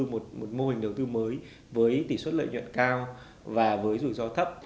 một mô hình đầu tư mới với tỷ suất lợi nhuận cao và với rủi ro thấp